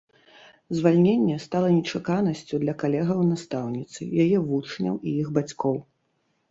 Звальненне стала нечаканасцю для калегаў настаўніцы, яе вучняў і іх бацькоў.